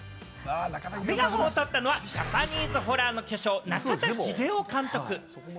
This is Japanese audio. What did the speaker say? メガホンを取ったのは、ジャパニーズホラーの巨匠・中田秀夫監督。